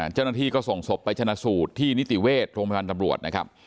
เจ้าหน้าที่ก็ส่งศพไปชนะสูตรที่นิติเวชโรงพยาบาลตำรวจนะครับ